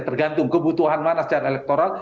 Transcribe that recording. tergantung kebutuhan mana secara elektoral